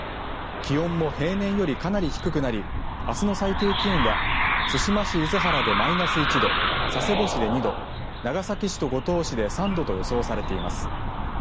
気温も平年よりかなり低くなりあすの最低気温は対馬市厳原でマイナス１度佐世保市で２度長崎市と五島市で３度と予想されています。